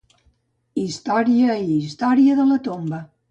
Història i història de la tomba.